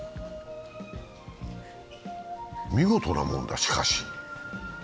見事なものだ、しかし。